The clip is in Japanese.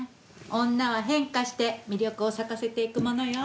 女は変化して魅力を咲かせていくものよ。